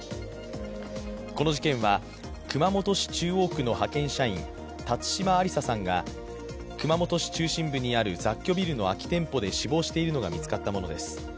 この事件は熊本市中央区の派遣社員、辰島ありささんが、熊本市中心部にある雑居ビルの空き店舗で死亡しているのが見つかったものです。